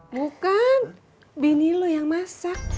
bukan bini lo yang masak